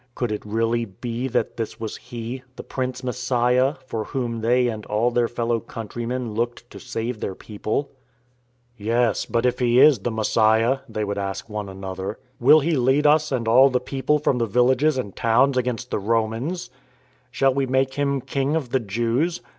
Could it really be that this was He, the Prince Messiah, for Whom they and all their fellow countrymen looked to save their people ?" Yes, but if He is the Messiah (they would ask one another), will He lead us and all the people from the villages and towns against the Romans? Shall 62 IN TRAINING we make Him King of the Jews